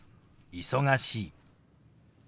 「忙しい」。